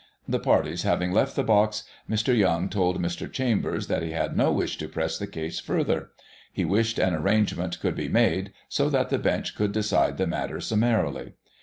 The parties having left the box, Mr. Young told Mr. Chambers that he had no wish to press the case further. He wished an arrangement could be made, so that the bench could decide the matter summarily.